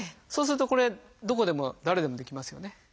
そうするとこれどこでも誰でもできますよね。